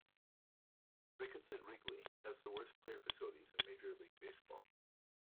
Ricketts said Wrigley has the worst player facilities in Major League Baseball.